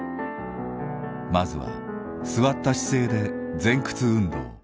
まずは座った姿勢で前屈運動。